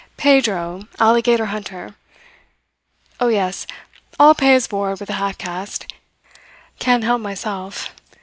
Pedro, alligator hunter. Oh, yes I'll pay his board with the half caste. Can't help myself.